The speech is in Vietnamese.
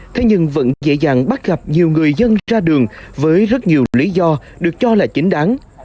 thế nhưng vẫn dễ dàng bắt gặp nhiều người dân ra đường với rất nhiều lý do được cho là chính đáng